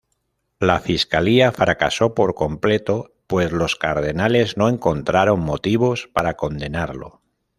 La fiscalía fracasó por completo, pues los Cardenales no encontraron motivos para condenarlo.